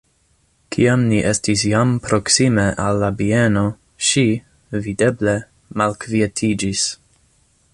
Kiam ni estis jam proksime al la bieno, ŝi, videble, malkvietiĝis.